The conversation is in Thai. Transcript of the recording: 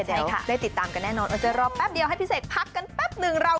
ได้ติดตามกันแน่นอนว่าจะรอแป๊บเดียวให้พี่เสกพักกันแป๊บหนึ่งเรา